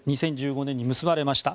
２０１５年に結ばれました。